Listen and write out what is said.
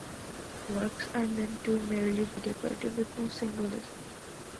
The works are meant to merely be decorative with no symbolism.